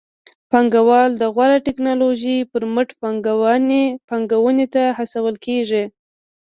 پانګوال د غوره ټکنالوژۍ پر مټ پانګونې ته هڅول کېږي.